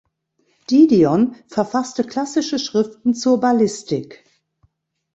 Didion verfasste klassische Schriften zur Ballistik.